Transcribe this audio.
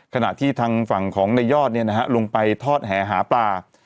ขณะที่ทางฝั่งของในยอดลงไปทอดแห่หาปลา